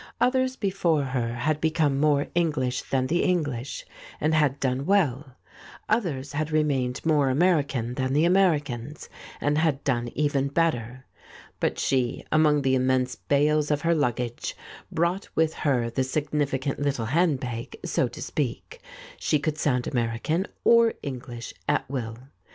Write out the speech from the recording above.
Others before her had become more English than the English, and had done well ; others had remained more American than the Americans, and had done even better. But she, among the immense bales of her luggage, brought with her this significant little handbag, so to speak : she could sound American or English at will.